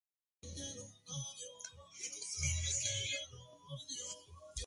En muchos casos, una base militar depende de alguna ayuda exterior para operar.